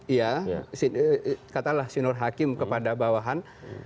ya katakanlah senior hakim kepada bawahan